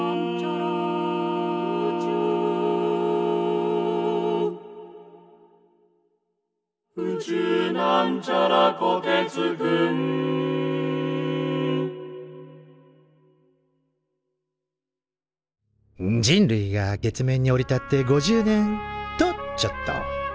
「宇宙」人類が月面に降り立って５０年！とちょっと。